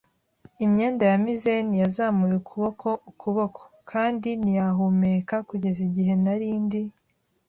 imyenda ya mizzen, yazamuye ukuboko ukuboko, kandi ntiyahumeka kugeza igihe nari ndi